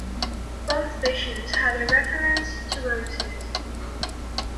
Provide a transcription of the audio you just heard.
Both visions had a reference to roses.